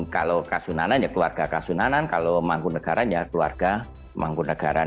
kalau kasunanan ya keluarga kasunanan kalau mangkunagaran ya keluarga mangkunagaran